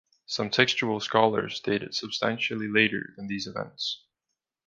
Some textual scholars date it substantially later than these events.